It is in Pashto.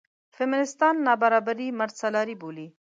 فیمینېستان نابرابري مردسالاري بولي.